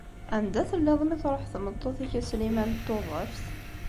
Anda telliḍ mi truḥ tmeṭṭut-ik a Sliman n Tuḍeft?